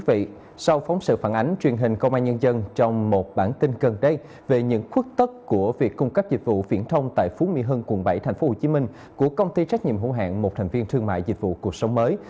thưa quý vị sau phóng sự phản ánh truyền hình công an nhân dân trong một bản tin gần đây về những khuất tất của việc cung cấp dịch vụ viễn thông tại phú mỹ hưng quận bảy tp hcm của công ty trách nhiệm hữu hạng một thành viên thương mại dịch vụ cuộc sống mới